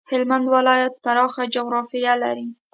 هلمند ولایت پراخه جغرافيه لري.